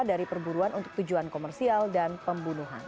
dari perburuan untuk tujuan komersial dan pembunuhan